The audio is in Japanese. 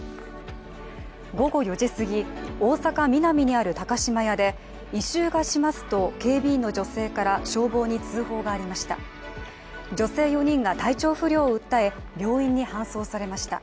午後４時すぎ、大阪・ミナミにある高島屋で異臭がしますと、警備員の女性から消防に通報がありました。